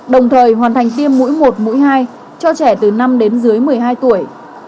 đồng thời hoàn thành tiêm mũi một mũi hai cho trẻ từ năm đến dưới một mươi hai tuổi